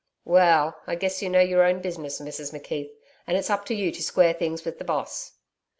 'Well, I guess you know your own business, Mrs McKeith, and it's up to you to square things with the Boss.'